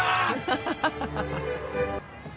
ハハハハハ。